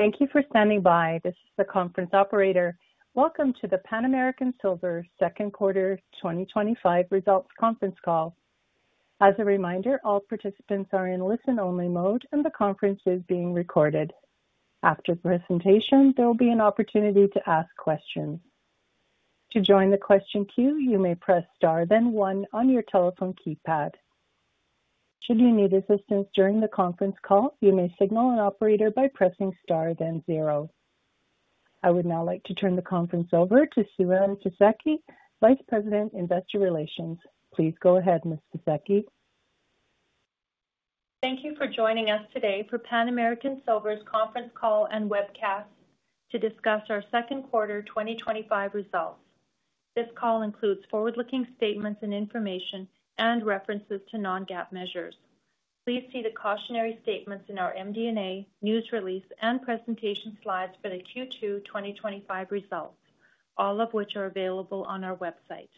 Thank you for standing by. This is the conference operator. Welcome to Pan American Silver's second quarter 2025 results conference call. As a reminder, all participants are in listen-only mode, and the conference is being recorded. After the presentation, there will be an opportunity to ask questions. To join the question queue, you may press star, then one on your telephone keypad. Should you need assistance during the conference call, you may signal an operator by pressing star, then zero. I would now like to turn the conference over to Siren Fisekci, Vice President, Investor Relations. Please go ahead, Ms. Fisekci. Thank you for joining us today for Pan American Silver's conference call and webcast to discuss our second quarter 2025 results. This call includes forward-looking statements and information and references to non-GAAP measures. Please see the cautionary statements in our MD&A, news release, and presentation slides for the Q2 2025 results, all of which are available on our website.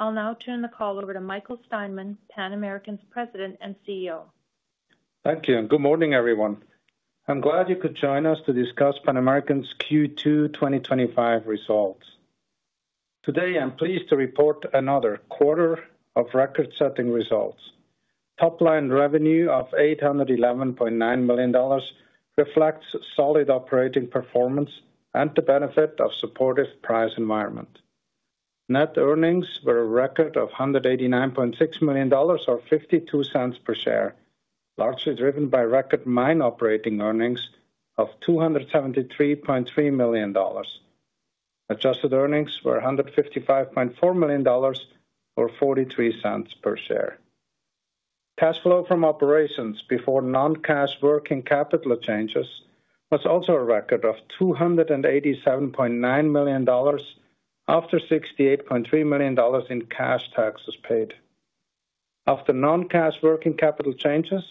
I'll now turn the call over to Michael Steinmann, Pan American's President and CEO. Thank you, and good morning, everyone. I'm glad you could join us to discuss Pan American's Q2 2025 results. Today, I'm pleased to report another quarter of record-setting results. Top-line revenue of $811.9 million reflects solid operating performance and the benefit of a supportive price environment. Net earnings were a record of $189.6 million or $0.52 per share, largely driven by record mine operating earnings of $273.3 million. Adjusted earnings were $155.4 million or $0.43 per share. Cash flow from operations before non-cash working capital changes was also a record of $287.9 million after $68.3 million in cash taxes paid. After non-cash working capital changes,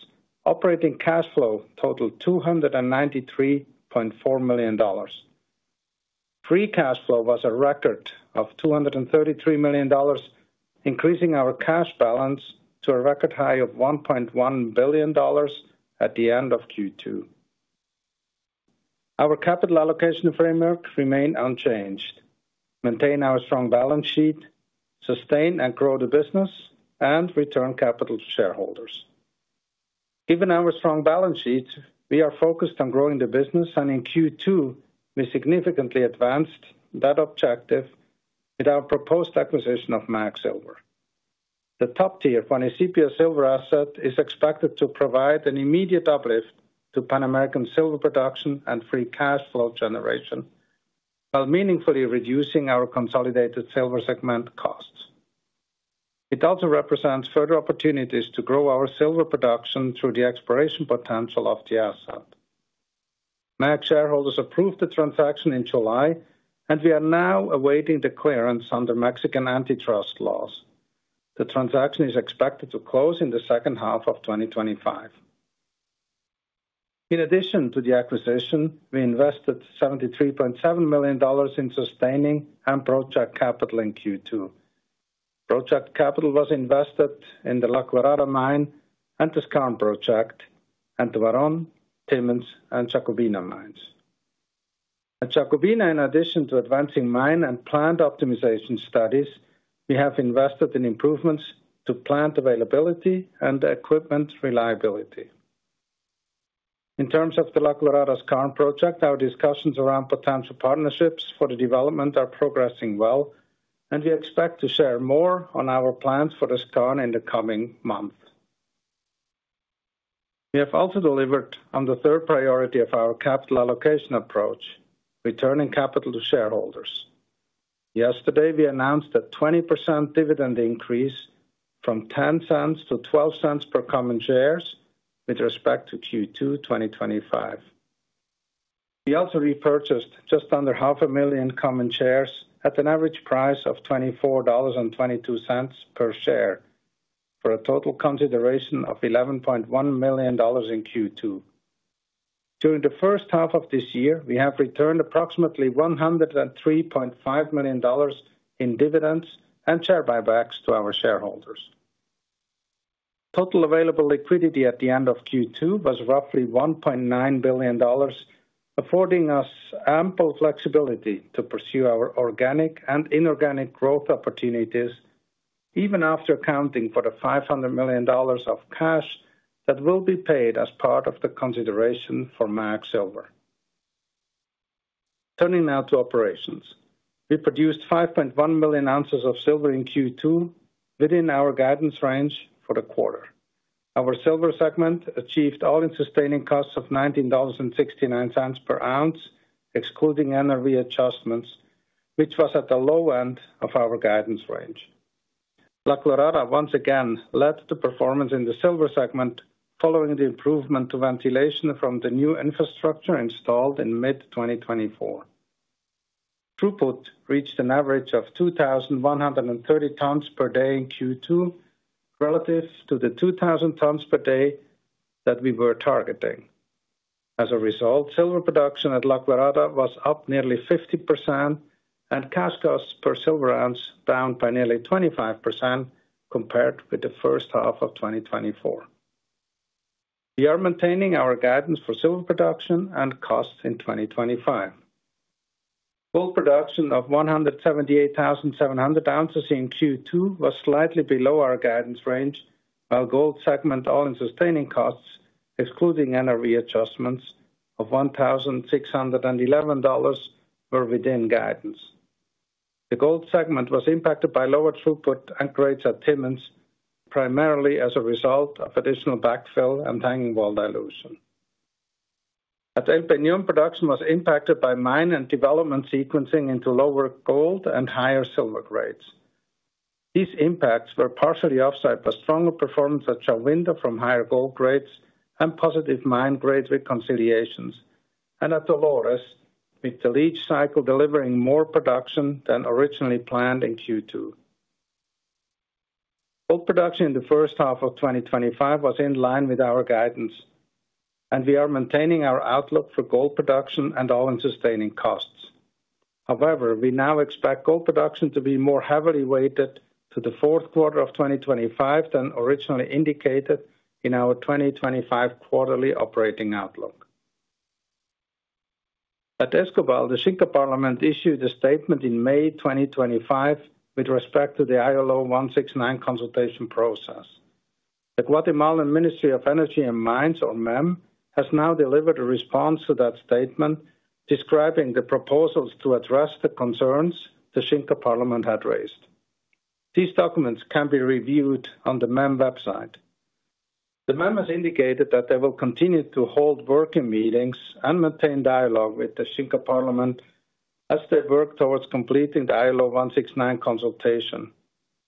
operating cash flow totaled $293.4 million. Free cash flow was a record of $233 million, increasing our cash balance to a record high of $1.1 billion at the end of Q2. Our capital allocation framework remained unchanged: maintain our strong balance sheet, sustain and grow the business, and return capital to shareholders. Given our strong balance sheet, we are focused on growing the business, and in Q2, we significantly advanced that objective with our proposed acquisition of MAG Silver. The top tier for any CPS silver asset is expected to provide an immediate uplift to Pan American's silver production and free cash flow generation, while meaningfully reducing our consolidated silver segment costs. It also represents further opportunities to grow our silver production through the exploration potential of the asset. MAG Silver shareholders approved the transaction in July, and we are now awaiting the clearance under Mexican antitrust laws. The transaction is expected to close in the second half of 2025. In addition to the acquisition, we invested $73.7 million in sustaining and project capital in Q2. Project capital was invested in the La Colorada mine and the Skarn project, and the Dolores, Timmins, and Jacobina mines. At Jacobina, in addition to advancing mine and plant optimization studies, we have invested in improvements to plant availability and equipment reliability. In terms of the La Colorada Skarn project, our discussions around potential partnerships for the development are progressing well, and we expect to share more on our plans for the Skarn in the coming month. We have also delivered on the third priority of our capital allocation approach, returning capital to shareholders. Yesterday, we announced a 20% dividend increase from $0.10-$0.12 per common share with respect to Q2 2025. We also repurchased just under half a million common shares at an average price of $24.22 per share, for a total consideration of $11.1 million in Q2. During the first half of this year, we have returned approximately $103.5 million in dividends and share buybacks to our shareholders. Total available liquidity at the end of Q2 was roughly $1.9 billion, affording us ample flexibility to pursue our organic and inorganic growth opportunities, even after accounting for the $500 million of cash that will be paid as part of the consideration for MAG Silver. Turning now to operations, we produced 5.1 million ounces of silver in Q2 within our guidance range for the quarter. Our silver segment achieved all-in sustaining costs of $19.69 per ounce, excluding NRE adjustments, which was at the low end of our guidance range. La Colorada once again led the performance in the silver segment following the improvement to ventilation from the new infrastructure installed in mid-2024. Throughput reached an average of 2,130 tons per day in Q2 relative to the 2,000 tons per day that we were targeting. As a result, silver production at La Colorada was up nearly 50% and cash costs per silver ounce down by nearly 25% compared with the first half of 2024. We are maintaining our guidance for silver production and costs in 2025. Gold production of 178,700 ounces in Q2 was slightly below our guidance range, while gold segment all-in sustaining costs, excluding NRE adjustments, of $1,611 were within guidance. The gold segment was impacted by lower throughput and grades at Timmins, primarily as a result of additional backfill and hanging wall dilution. At El Peñón, production was impacted by mine and development sequencing into lower gold and higher silver grades. These impacts were partially offset by stronger performance at Shahuindo from higher gold grades and positive mine grade reconciliations, and at Dolores, with the leach cycle delivering more production than originally planned in Q2. Gold production in the first half of 2025 was in line with our guidance, and we are maintaining our outlook for gold production and all-in sustaining costs. However, we now expect gold production to be more heavily weighted to the fourth quarter of 2025 than originally indicated in our 2025 quarterly operating outlook. At Escobal, the Xinka Parliament issued a statement in May 2025 with respect to the ILO 169 consultation process. The Guatemalan Ministry of Energy and Mines, or MEM, has now delivered a response to that statement describing the proposals to address the concerns the Xinka Parliament had raised. These documents can be reviewed on the MEM website. The MEM has indicated that they will continue to hold working meetings and maintain dialogue with the Xinka Parliament as they work towards completing the ILO 169 consultation,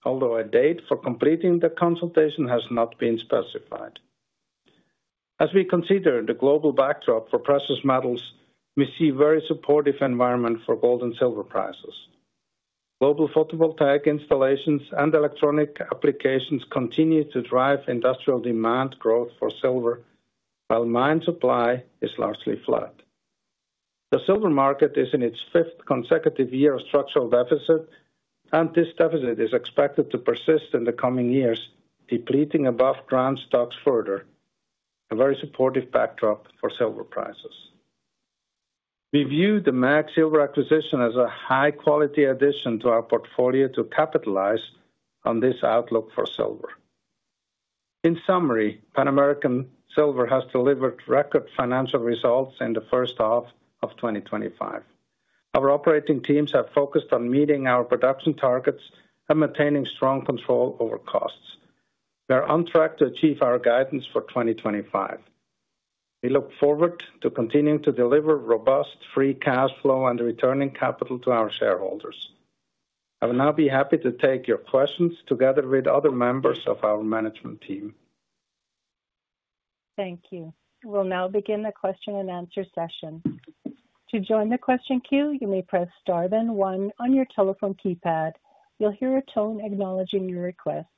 although a date for completing the consultation has not been specified. As we consider the global backdrop for precious metals, we see a very supportive environment for gold and silver prices. Global photovoltaic installations and electronic applications continue to drive industrial demand growth for silver, while mine supply is largely flat. The silver market is in its fifth consecutive year of structural deficit, and this deficit is expected to persist in the coming years, depleting above-ground stocks further, a very supportive backdrop for silver prices. We view the MAG Silver acquisition as a high-quality addition to our portfolio to capitalize on this outlook for silver. In summary, Pan American Silver has delivered record financial results in the first half of 2025. Our operating teams have focused on meeting our production targets and maintaining strong control over costs. We are on track to achieve our guidance for 2025. We look forward to continuing to deliver robust free cash flow and returning capital to our shareholders. I will now be happy to take your questions together with other members of our management team. Thank you. We'll now begin the question-and-answer session. To join the question queue, you may press star then one on your telephone keypad. You'll hear a tone acknowledging your request.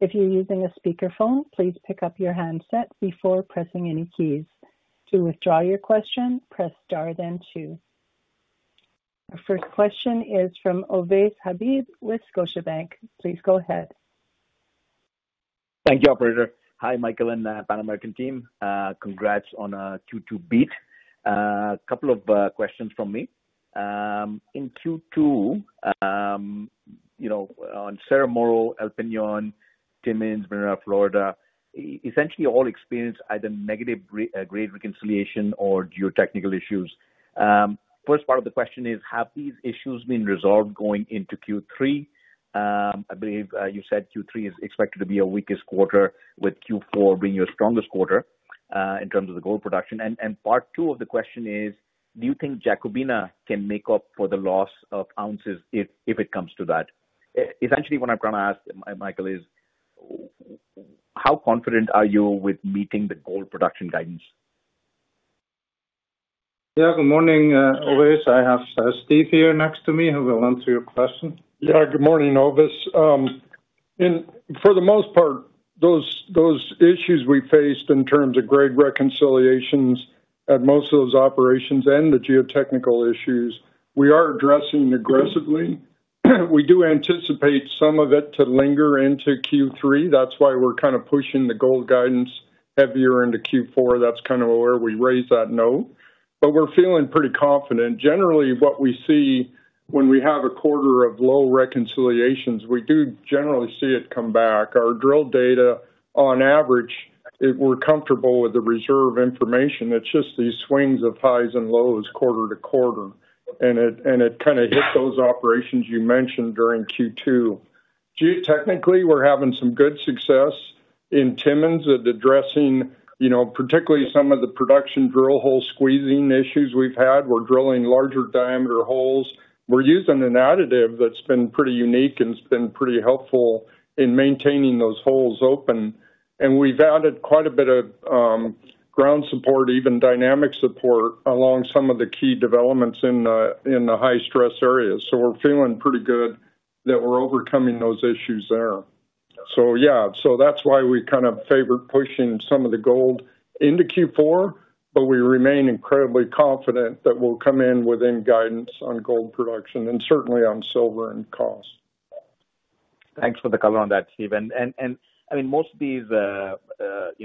If you're using a speakerphone, please pick up your handset before pressing any keys. To withdraw your question, press star then two. Our first question is from Ovais Habib with Scotiabank. Please go ahead. Thank you, operator. Hi, Michael and Pan American team. Congrats on a Q2 beat. A couple of questions from me. In Q2, on Cerro Moro, El Peñón, Timmins, Minera Florida, essentially all experienced either negative grade reconciliation or geotechnical issues. First part of the question is, have these issues been resolved going into Q3? I believe you said Q3 is expected to be your weakest quarter, with Q4 being your strongest quarter in terms of the gold production. Part two of the question is, do you think Jacobina can make up for the loss of ounces if it comes to that? Essentially, what I'm trying to ask, Michael, is how confident are you with meeting the gold production guidance? Yeah, good morning, Ovais. I have Steve here next to me who will answer your question. Yeah, good morning, Ovais. For the most part, those issues we faced in terms of grade reconciliations at most of those operations and the geotechnical issues, we are addressing aggressively. We do anticipate some of it to linger into Q3. That's why we're kind of pushing the gold guidance heavier into Q4. That's kind of where we raise that note. We're feeling pretty confident. Generally, what we see when we have a quarter of low reconciliations, we do generally see it come back. Our drill data, on average, we're comfortable with the reserve information. It's just these swings of highs and lows quarter to quarter. It kind of hit those operations you mentioned during Q2. Geotechnically, we're having some good success in Timmins at addressing, you know, particularly some of the production drill hole squeezing issues we've had. We're drilling larger diameter holes. We're using an additive that's been pretty unique and has been pretty helpful in maintaining those holes open. We've added quite a bit of ground support, even dynamic support along some of the key developments in the high-stress areas. We're feeling pretty good that we're overcoming those issues there. That's why we kind of favor pushing some of the gold into Q4, but we remain incredibly confident that we'll come in within guidance on gold production and certainly on silver and cost. Thanks for the cover on that, Steven. Most of these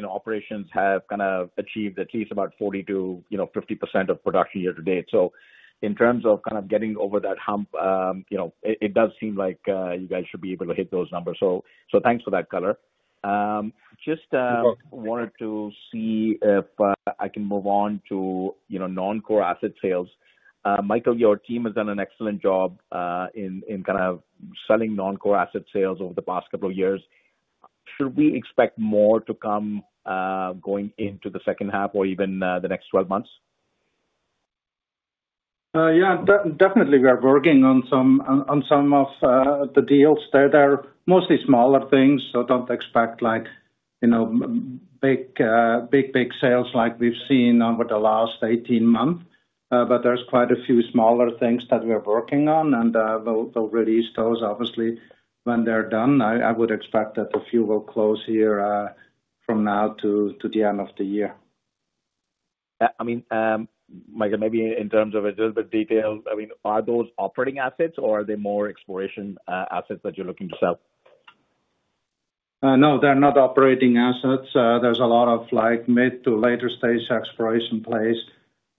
operations have kind of achieved at least about 42%, you know, 50% of production year to date. In terms of kind of getting over that hump, it does seem like you guys should be able to hit those numbers. Thanks for that cover. Just wanted to see if I can move on to non-core asset sales. Michael, your team has done an excellent job in kind of selling non-core asset sales over the past couple of years. Should we expect more to come going into the second half or even the next 12 months? Yeah, definitely. We are working on some of the deals. They're mostly smaller things, so don't expect, like, you know, big, big, big sales like we've seen over the last 18 months. There are quite a few smaller things that we're working on, and we'll release those, obviously, when they're done. I would expect that a few will close here from now to the end of the year. Michael, maybe in terms of a little bit of detail, are those operating assets or are they more exploration assets that you're looking to sell? No, they're not operating assets. There's a lot of mid to later stage exploration plays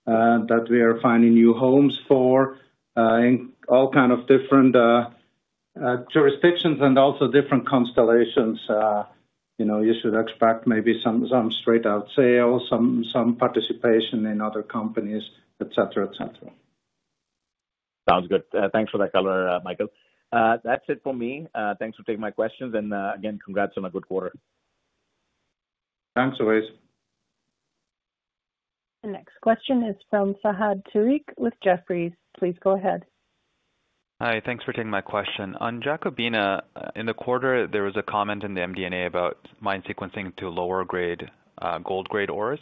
that we are finding new homes for in all kinds of different jurisdictions and also different constellations. You should expect maybe some straight-out sales, some participation in other companies, et cetera, et cetera. Sounds good. Thanks for that color, Michael. That's it for me. Thanks for taking my questions, and again, congrats on a good quarter. Thanks, Ovais. The next question is from Fahad Tariq with Jefferies. Please go ahead. Hi, thanks for taking my question. On Jacobina, in the quarter, there was a comment in the MD&A about mine sequencing to lower grade, gold grade ores.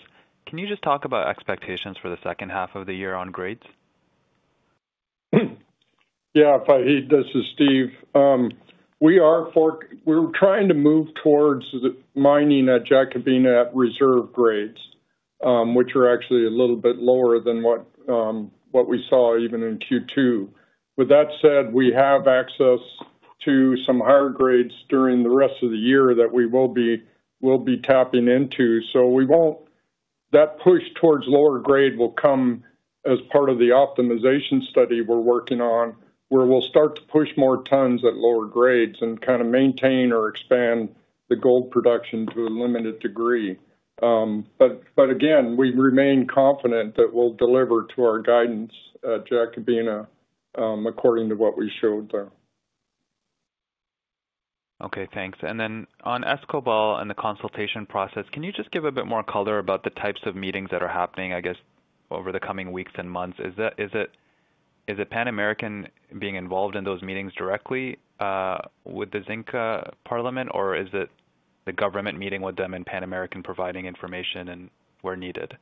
Can you just talk about expectations for the second half of the year on grades? Yeah, this is Steve. We are trying to move towards mining at Jacobina reserve grades, which are actually a little bit lower than what we saw even in Q2. With that said, we have access to some higher grades during the rest of the year that we will be tapping into. That push towards lower grade will come as part of the optimization study we're working on, where we'll start to push more tons at lower grades and kind of maintain or expand the gold production to a limited degree. Again, we remain confident that we'll deliver to our guidance Jacobina according to what we showed there. Okay, thanks. On Escobal and the consultation process, can you just give a bit more color about the types of meetings that are happening over the coming weeks and months? Is it Pan American being involved in those meetings directly with the Xinka Parliament, or is it the government meeting with them and Pan American providing information where needed?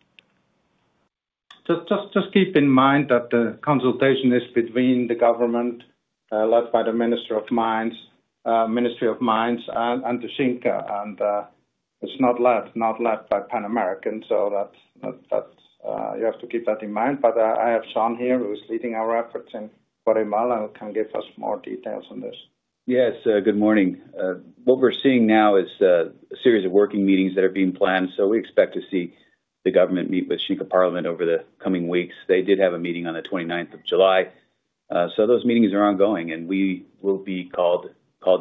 Just keep in mind that the consultation is between the government led by the Ministry of Mines and the Xinka, and it's not led by Pan American, so you have to keep that in mind. I have Sean here, who is leading our efforts in Guatemala, who can give us more details on this. Yes, good morning. What we're seeing now is a series of working meetings that are being planned. We expect to see the government meet with Xinka Parliament over the coming weeks. They did have a meeting on the 29th of July. Those meetings are ongoing, and we will be called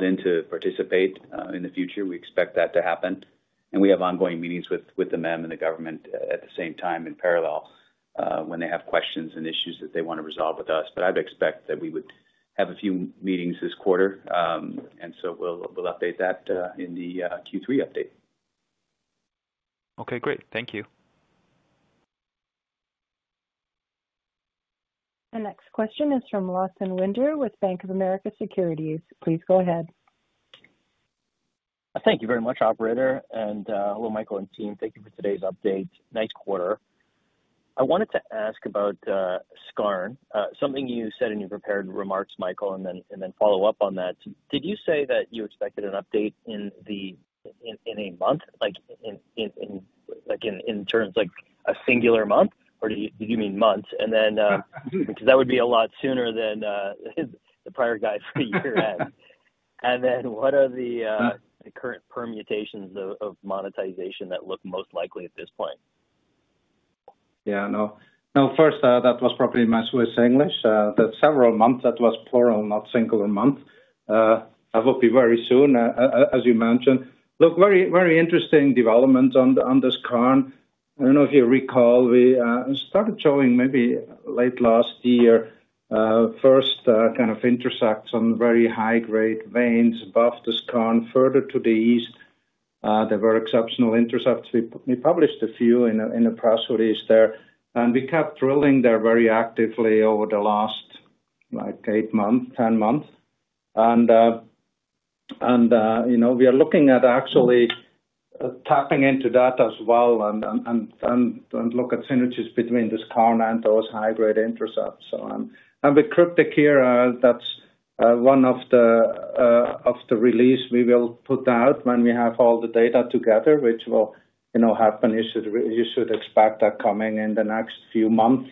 in to participate in the future. We expect that to happen. We have ongoing meetings with the MEM and the government at the same time in parallel when they have questions and issues that they want to resolve with us. I would expect that we would have a few meetings this quarter, and we'll update that in the Q3 update. Okay, great. Thank you. The next question is from Lawson Winder with Bank of America Securities. Please go ahead. Thank you very much, operator. Hello, Michael and team. Thank you for today's update. Nice quarter. I wanted to ask about Skarn, something you said in your prepared remarks, Michael, and then follow up on that. Did you say that you expected an update in a month, like in terms of a singular month, or did you mean months? That would be a lot sooner than the prior guidance for year-end. What are the current permutations of monetization that look most likely at this point? Yeah, no. First, that was probably my Swiss English. That's several months. That was plural, not singular month. I hope it will be very soon, as you mentioned. Look, very, very interesting developments on the Skarn. I don't know if you recall, we started showing maybe late last year, first kind of intersects on very high-grade veins above the Skarn further to the east. There were exceptional intercepts. We published a few in the press release there. We kept drilling there very actively over the last eight months, ten months. You know, we are looking at actually tapping into that as well and look at synergies between the Skarn and those high-grade intercepts. With cryptic to Kira, that's one of the releases we will put out when we have all the data together, which will, you know, happen. You should expect that coming in the next few months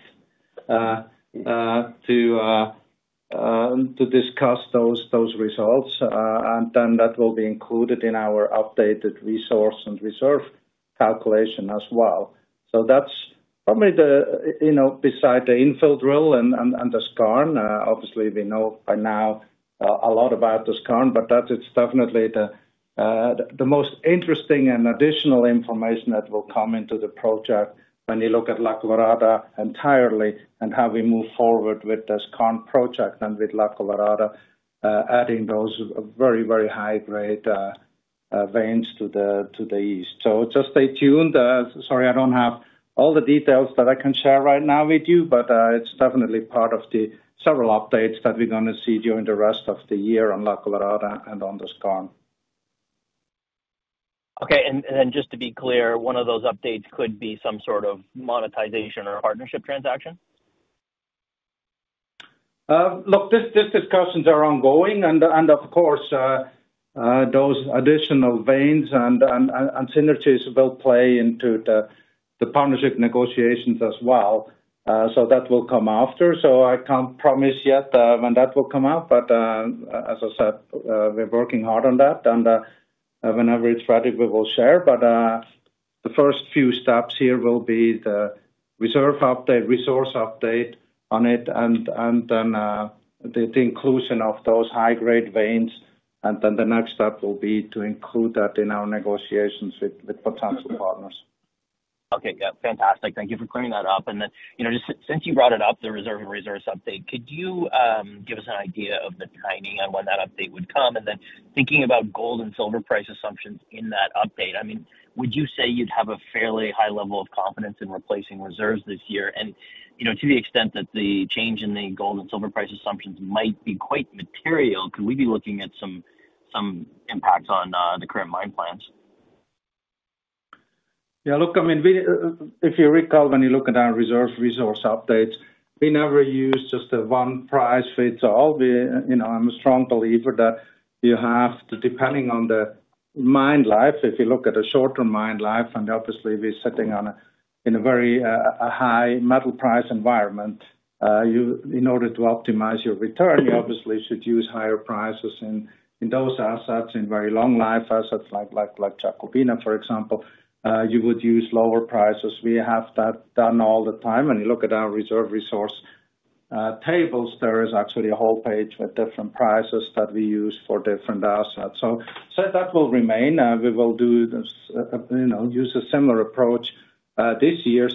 to discuss those results. That will be included in our updated resource and reserve calculation as well. That's probably the, you know, beside the infill drill and the Skarn, obviously we know by now a lot about the Skarn, but that's definitely the most interesting and additional information that will come into the project when you look at La Colorada entirely and how we move forward with the Skarn project and with La Colorada adding those very, very high-grade veins to the east. Just stay tuned. Sorry, I don't have all the details that I can share right now with you, but it's definitely part of the several updates that we're going to see during the rest of the year on La Colorada and on the Skarn. Okay, and just to be clear, one of those updates could be some sort of monetization or partnership transaction? Look, these discussions are ongoing, and of course, those additional veins and synergies will play into the partnership negotiations as well. That will come after. I can't promise yet when that will come out, but as I said, we're working hard on that, and whenever it's ready, we will share. The first few steps here will be the reserve update, resource update on it, and then the inclusion of those high-grade veins. The next step will be to include that in our negotiations with potential partners. Okay, yeah, fantastic. Thank you for clearing that up. Just since you brought it up, the reserve and resource update, could you give us an idea of the timing on when that update would come? Thinking about gold and silver price assumptions in that update, would you say you'd have a fairly high level of confidence in replacing reserves this year? To the extent that the change in the gold and silver price assumptions might be quite material, could we be looking at some impacts on the current mine plans? Yeah, look, I mean, if you recall, when you look at our reserves resource updates, we never use just the one price fits all. I'm a strong believer that you have to, depending on the mine life, if you look at a shorter mine life, and obviously we're sitting in a very high metal price environment, in order to optimize your return, you obviously should use higher prices in those assets. In very long life assets like Jacobina, for example, you would use lower prices. We have that done all the time. When you look at our reserve resource tables, there is actually a whole page with different prices that we use for different assets. That will remain. We will do, you know, use a similar approach this year.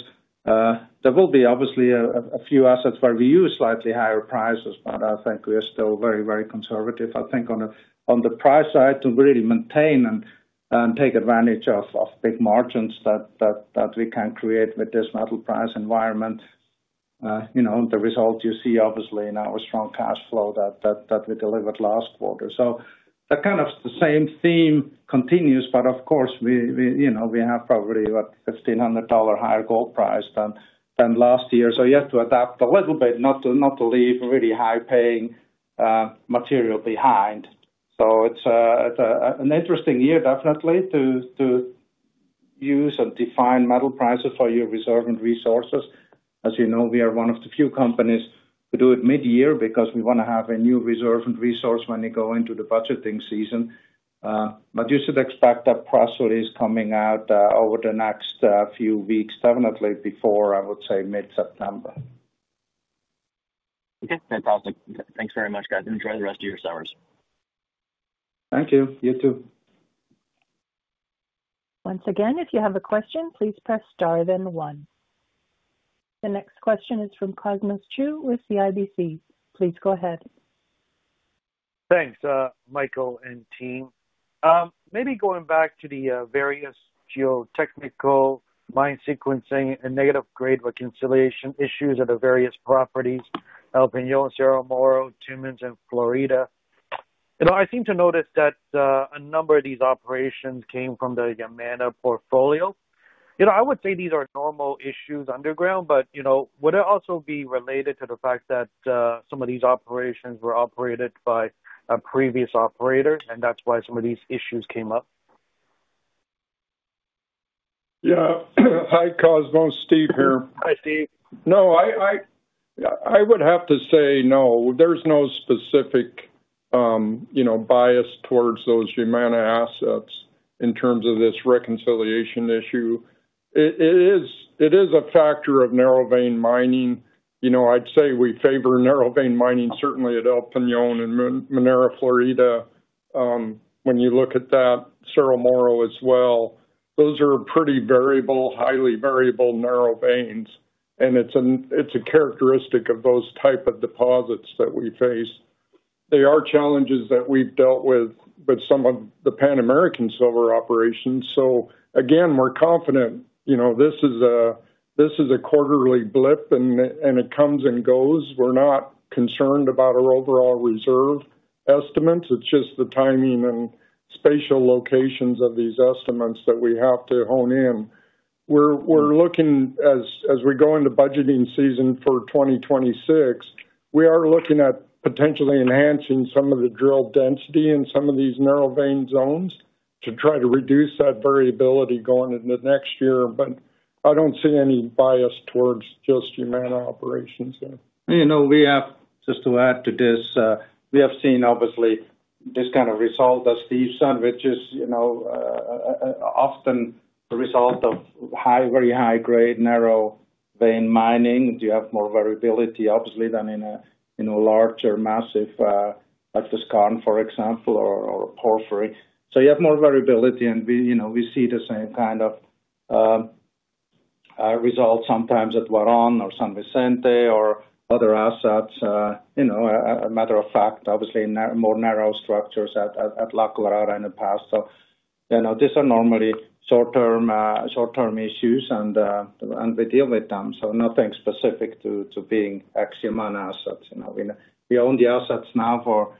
There will be obviously a few assets where we use slightly higher prices, but I think we are still very, very conservative. I think on the price side to really maintain and take advantage of big margins that we can create with this metal price environment. The result you see obviously in our strong cash flow that we delivered last quarter. That kind of the same theme continues, but of course, you know, we have probably a $1,500 higher gold price than last year. You have to adapt a little bit, not to leave really high-paying material behind. It's an interesting year, definitely, to use and define metal prices for your reserve and resources. As you know, we are one of the few companies who do it mid-year because we want to have a new reserve and resource when they go into the budgeting season. You should expect that press release coming out over the next few weeks, definitely before, I would say, mid-September. Okay, fantastic. Thanks very much, guys. Enjoy the rest of your summers. Thank you. You too. Once again, if you have a question, please press star then one. The next question is from Cosmos Chiu with CIBC. Please go ahead. Thanks, Michael and team. Maybe going back to the various geotechnical mine sequencing and negative grade reconciliation issues at the various properties: El Peñón, Cerro Moro, Timmins, and Florida. I seem to notice that a number of these operations came from the Yamana portfolio. I would say these are normal issues underground, but would it also be related to the fact that some of these operations were operated by previous operators and that's why some of these issues came up? Yeah, hi, Cosmos. Steve here. Hi, Steve. No, I would have to say no. There's no specific bias towards those Yamana assets in terms of this reconciliation issue. It is a factor of narrow vein mining. I'd say we favor narrow vein mining certainly at El Peñón and Minera Florida. When you look at Cerro Moro as well, those are pretty variable, highly variable narrow veins. It's a characteristic of those types of deposits that we face. They are challenges that we've dealt with with some of the Pan American Silver operations. We're confident this is a quarterly blip and it comes and goes. We're not concerned about our overall reserve estimates. It's just the timing and spatial locations of these estimates that we have to hone in. We're looking, as we go into budgeting season for 2026, at potentially enhancing some of the drill density in some of these narrow vein zones to try to reduce that variability going into next year. I don't see any bias towards just Yamana operations there. You know, just to add to this, we have seen obviously this kind of result at the sun, which is often the result of high, very high-grade narrow vein mining. You have more variability obviously than in a larger massive like the Skarn, for example, or Porphyry. You have more variability and we see the same kind of results sometimes at Huaron or San Vicente or other assets. As a matter of fact, obviously more narrow structures at La Colorada in the past. These are normally short-term issues and we deal with them. Nothing specific to being ex-Yamana assets. We own the assets now for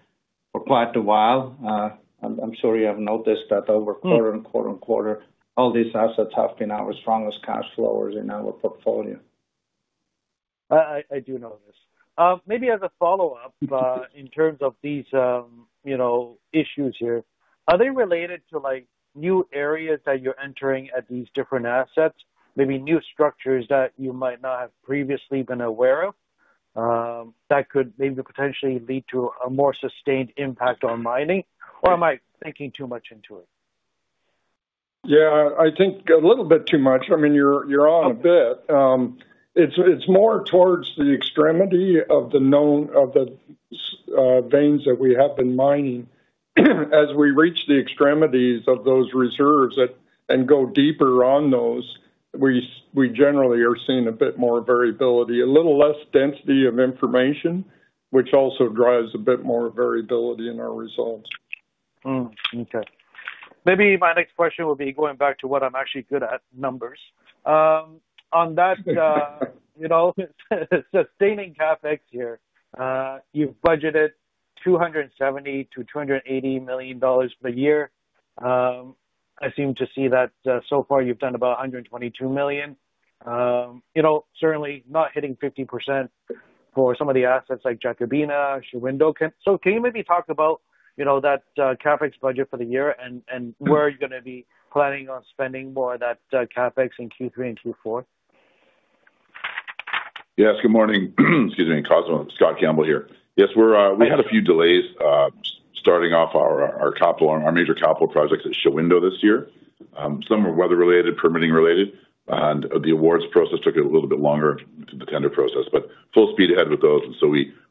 quite a while. I'm sure you have noticed that over quarter and quarter and quarter, all these assets have been our strongest cash flowers in our portfolio. I do know this. Maybe as a follow-up in terms of these issues here, are they related to new areas that you're entering at these different assets, maybe new structures that you might not have previously been aware of that could potentially lead to a more sustained impact on mining? Or am I thinking too much into it? Yeah, I think a little bit too much. I mean, it's more towards the extremity of the known of the veins that we have been mining. As we reach the extremities of those reserves and go deeper on those, we generally are seeing a bit more variability, a little less density of information, which also drives a bit more variability in our results. Okay. Maybe my next question will be going back to what I'm actually good at, numbers. On that, you know, sustaining CapEx here, you've budgeted $270 million-$280 million per year. I seem to see that so far you've done about $122 million. You know, certainly not hitting 50% for some of the assets like Jacobina. Can you maybe talk about, you know, that CapEx budget for the year and where you are going to be planning on spending more of that CapEx in Q3 and Q4? Yes, good morning. Excuse me, Cosmos, Scott Campbell here. Yes, we had a few delays starting off our major capital projects at Shahuindo this year. Some were weather-related, permitting-related, and the awards process took a little bit longer than the tender process, but full speed ahead with those.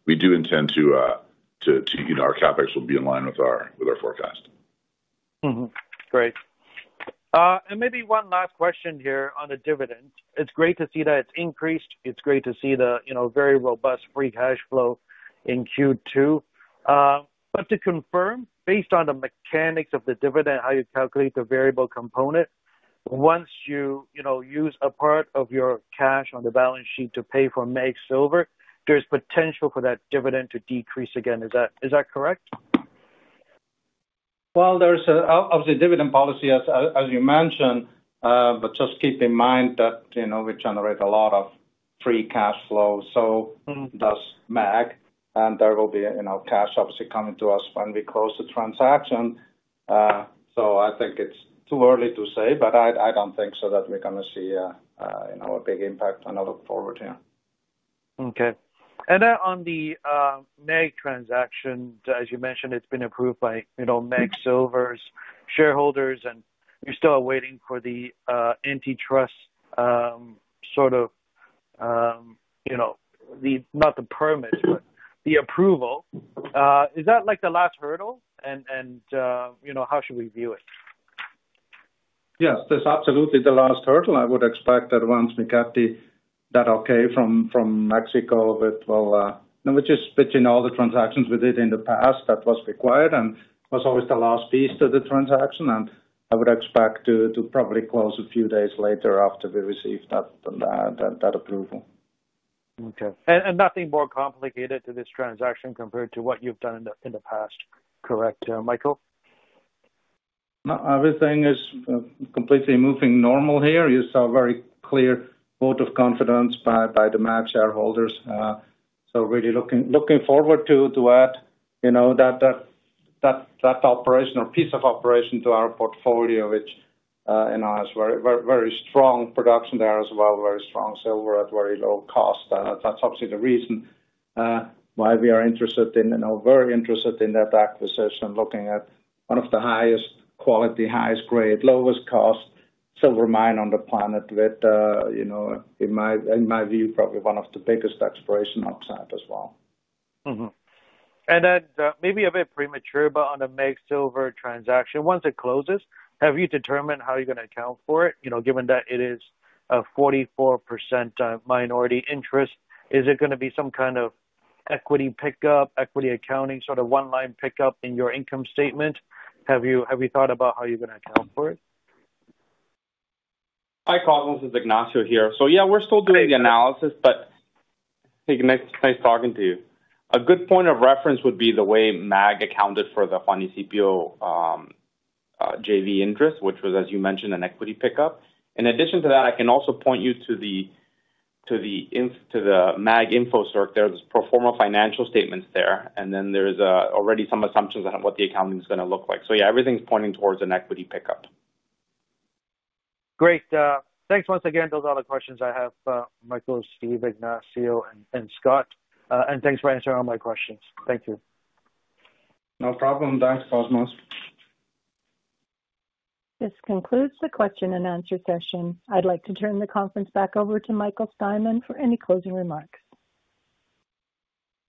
We do intend to, you know, our CapEx will be in line with our forecast. Great. Maybe one last question here on the dividend. It's great to see that it's increased. It's great to see the very robust free cash flow in Q2. To confirm, based on the mechanics of the dividend, how you calculate the variable component, once you use a part of your cash on the balance sheet to pay for MAG Silver, there's potential for that dividend to decrease again. Is that correct? There is obviously a dividend policy, as you mentioned, but just keep in mind that, you know, we generate a lot of free cash flow. So does MAG Silver, and there will be, you know, cash obviously coming to us when we close the transaction. I think it's too early to say, but I don't think so that we're going to see, you know, a big impact, and I look forward to it. Okay. On the MAG transaction, as you mentioned, it's been approved by MAG Silver's shareholders, and you're still awaiting the antitrust approval. Is that the last hurdle, and how should we view it? Yes, that's absolutely the last hurdle. I would expect that once we get that okay from Mexico, which is, you know, all the transactions we did in the past, that was required and was always the last piece to the transaction. I would expect to probably close a few days later after we receive that approval. Okay. Nothing more complicated to this transaction compared to what you've done in the past, correct, Michael? No, everything is completely moving normal here. You saw a very clear vote of confidence by the MAG shareholders. Really looking forward to add that operation or piece of operation to our portfolio, which has very strong production there as well, very strong silver at very low cost. That's obviously the reason why we are interested in, very interested in that acquisition, looking at one of the highest quality, highest grade, lowest cost silver mine on the planet, with, in my view, probably one of the biggest exploration outside as well. Maybe a bit premature, but on the MAG Silver transaction, once it closes, have you determined how you're going to account for it? You know, given that it is a 44% minority interest, is it going to be some kind of equity pickup, equity accounting, sort of one-line pickup in your income statement? Have you thought about how you're going to account for it? Hi, Cosmos, this is Ignacio here. We're still doing the analysis, but hey, Ignacio, nice talking to you. A good point of reference would be the way MAG accounted for the Juanicipio JV interest, which was, as you mentioned, an equity pickup. In addition to that, I can also point you to the MAG info circ. There's pro forma financial statements there, and there's already some assumptions on what the accounting is going to look like. Everything's pointing towards an equity pickup. Great. Thanks once again. Those are all the questions I have, Michael, Steve, Ignacio, and Scott. Thanks for answering all my questions. Thank you. No problem. Thanks, Cosmos. This concludes the question-and-answer session. I'd like to turn the conference back over to Michael Steinmann for any closing remarks.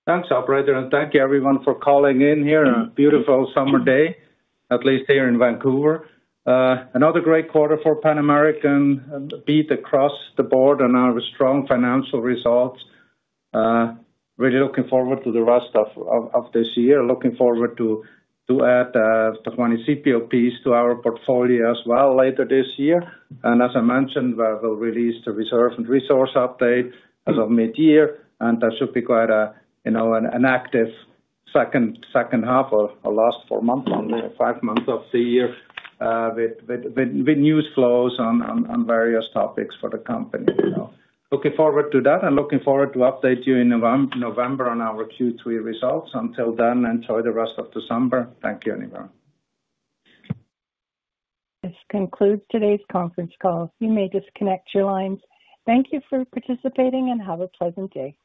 Thanks, operator, and thank you everyone for calling in here. A beautiful summer day, at least here in Vancouver. Another great quarter for Pan American, beat across the board on our strong financial results. Really looking forward to the rest of this year. Looking forward to add the Juanicipio piece to our portfolio as well later this year. As I mentioned, we'll release the reserve and resource update as of mid-year. That should be quite a, you know, an active second half or last four months, five months of the year, with news flows on various topics for the company. Looking forward to that and looking forward to update you in November on our Q3 results. Until then, enjoy the rest of December. Thank you, everyone. This concludes today's conference call. You may disconnect your lines. Thank you for participating and have a pleasant day.